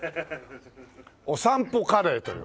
「お散歩カレー」という。